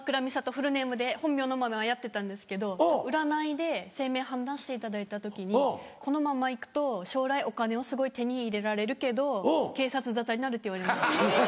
フルネームで本名のままやってたんですけど占いで姓名判断していただいた時にこのまま行くと将来お金をすごい手に入れられるけど警察沙汰になるって言われました。